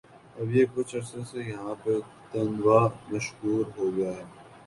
اب یہ کچھ عرصے سے یہاں پہ تیندوا مشہور ہوگیاہے